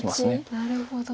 なるほど。